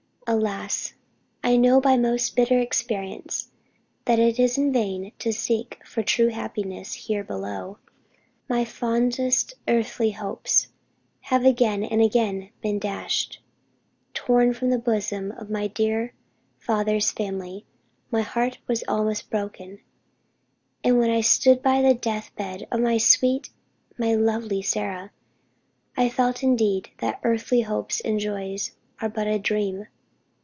Alas, I know by most bitter experience, that it is in vain to seek for true happiness here below. My fondest earthly hopes have again and again been dashed. Torn from the bosom of my dear father's family, my heart was almost broken; and when I stood by the death bed of my sweet, my lovely Sarah, I felt indeed that earthly hopes and joys are but a dream.